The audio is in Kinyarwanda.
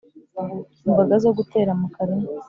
imboga zo gutera mukarima